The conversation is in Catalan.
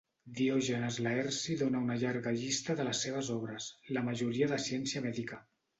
Diògenes Laerci dóna una llarga llista de les seves obres la majoria de ciència mèdica.